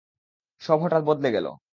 সব হঠাৎ বদলে গেল।